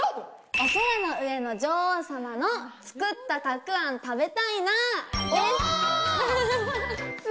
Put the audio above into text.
お空の上の女王様の作ったたくあん食べたいなです。